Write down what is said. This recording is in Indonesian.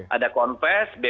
nah ini ya kita bisa lihat